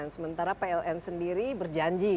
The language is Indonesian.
sementara pln sendiri berjanji